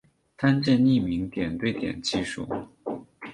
参见匿名点对点技术。